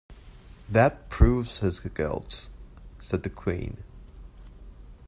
‘That proves his guilt,’ said the Queen.